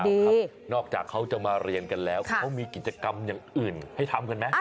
ครับนอกจากเขาจะมาเรียนกันแล้วเขามีกิจกรรมอย่างอื่นให้ทำกันไหม